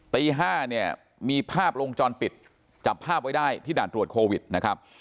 ตี๕เนี่ยมีภาพลงจรปิดจับภาพไว้ได้ที่ด่านตรวจโควิดนะครับ